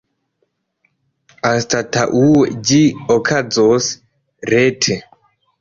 Anstataŭe ĝi okazos rete.